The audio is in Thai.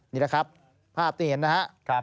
นี่แหละครับภาพที่เห็นนะครับ